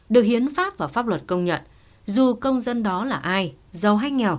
được hiến pháp và pháp luật công nhận